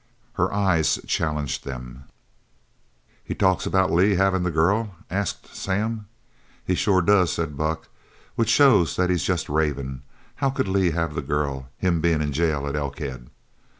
Her eyes challenged them. "He talks about Lee havin' the girl?" asked Sam. "He sure does," said Buck, "which shows that he's jest ravin'. How could Lee have the girl, him bein' in jail at Elkhead?"